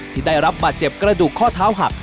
ที่ได้รับบาดเจ็บกระดูกข้อเท้าหัก